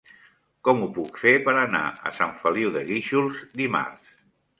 Com ho puc fer per anar a Sant Feliu de Guíxols dimarts?